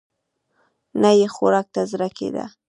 نه يې خوراک ته زړه کېده.